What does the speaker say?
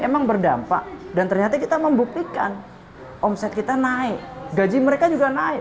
emang berdampak dan ternyata kita membuktikan omset kita naik gaji mereka juga naik